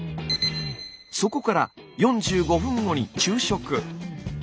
そこから４５分後に昼食。